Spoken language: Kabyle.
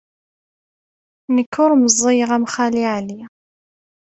Nekk ur meẓẓiyeɣ am Xali Ɛli.